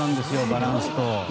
バランスと。